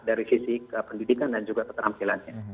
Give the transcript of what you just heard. dari fisik ke pendidikan dan juga keterampilannya